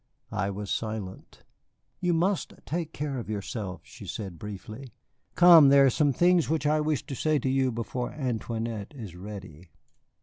I was silent. "You must take care of yourself," she said briefly. "Come, there are some things which I wish to say to you before Antoinette is ready."